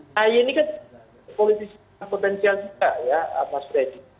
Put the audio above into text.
pak haye ini kan politisnya potensial juga ya mas fredy